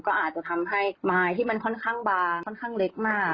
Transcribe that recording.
ก็อาจจะทำให้ไม้ที่มันค่อนข้างบางค่อนข้างเล็กมาก